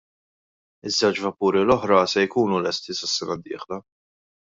Iż-żewġ vapuri l-oħra se jkunu lesti sas-sena d-dieħla.